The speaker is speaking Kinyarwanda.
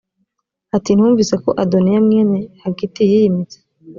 ati ntiwumvise ko adoniya mwene hagiti yiyimitse